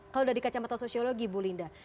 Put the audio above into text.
kalau dari kecamatan sosiologi ibu linda